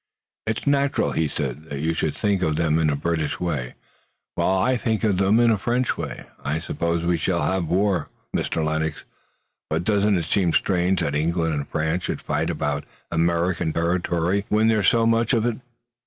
"It's natural," he said, "that you should think of them in a British way, while I think of them in a French way. I suppose we shall have war, Mr. Lennox, but doesn't it seem strange that England and France should fight about American territory, when there's so much of it?